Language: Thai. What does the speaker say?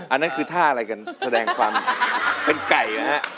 อันนั้นคือท่าอะไรกันแสดงความเป็นไก่นะฮะ